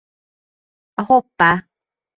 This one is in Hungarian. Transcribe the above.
A Hoppá!!!